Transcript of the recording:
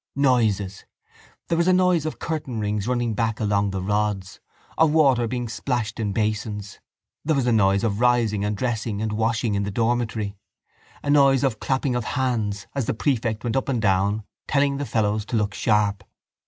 Noises... There was a noise of curtainrings running back along the rods, of water being splashed in the basins. There was a noise of rising and dressing and washing in the dormitory: a noise of clapping of hands as the prefect went up and down telling the fellows to look sharp.